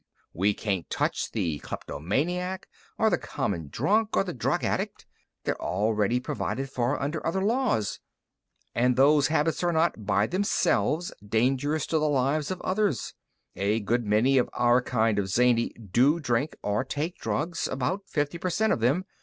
"We can't touch the kleptomaniac or the common drunk or the drug addict. They're already provided for under other laws. And those habits are not, by themselves, dangerous to the lives of others. A good many of our kind of zany do drink or take drugs about fifty per cent of them.